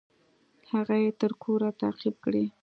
هغه يې تر کوره تعقيب کړى.